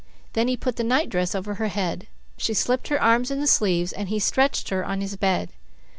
Then he put the nightdress over her head, she slipped her arms in the sleeves, and he stretched her on his bed.